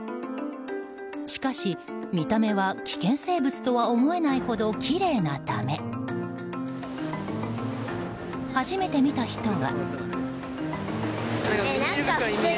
しかし、見た目は危険生物とは思えないほど、きれいなため初めて見た人は。